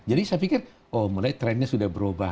jadi saya pikir mulai trennya sudah berubah